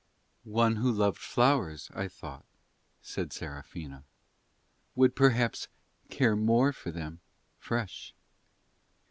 "One who loved flowers, I thought," said Serafina, "would perhaps care more for them fresh."